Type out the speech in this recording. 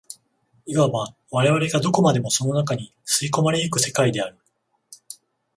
いわば我々がどこまでもその中に吸い込まれ行く世界である。